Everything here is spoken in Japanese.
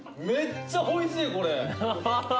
めっちゃおいしい、これ！